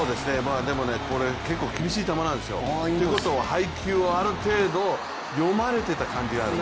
でもこれ結構厳しい球なんですよ。ということは配球をある程度読まれてた感じがある。